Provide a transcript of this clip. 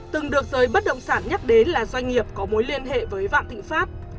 từng được giới bất động sản nhắc đến là doanh nghiệp có mối liên hệ với vạn thịnh pháp